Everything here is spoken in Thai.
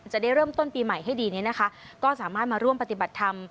จะได้เริ่มต้นปีใหม่ให้ดีนี้นะคะก็สามารถมาร่วมปฏิบัติธรรม